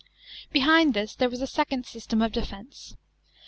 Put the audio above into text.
Behind this, there was a second system of defence.